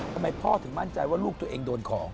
ทำไมพ่อถึงมั่นใจว่าลูกตัวเองโดนของ